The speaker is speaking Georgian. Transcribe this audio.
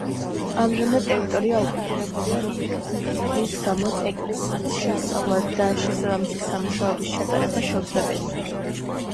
ამჟამად ტერიტორია ოკუპირებულია რუსეთის მიერ, რის გამოც ეკლესიის შესწავლა და შესაბამისი სამუშაოების ჩატარება შეუძლებელია.